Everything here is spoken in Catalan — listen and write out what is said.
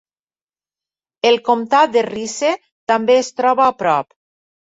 El comtat de Rice també es troba a prop.